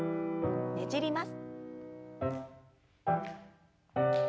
ねじります。